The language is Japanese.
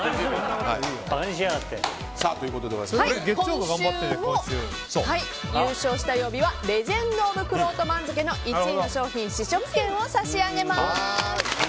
今週も、優勝した曜日はレジェンド・オブ・くろうと番付１位の商品試食券を差し上げます。